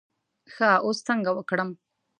ښه اوس څنګه وکړم.